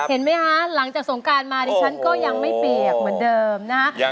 เห็นไหมคะหลังจากสงการมาดิฉันก็ยังไม่เปียกเหมือนเดิมนะฮะ